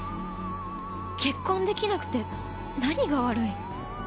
結婚できなくて何が悪い